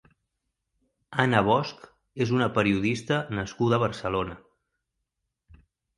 Anna Bosch és una periodista nascuda a Barcelona.